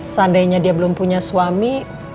seandainya dia belum punya suami